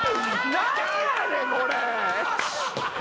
何やねん⁉これ！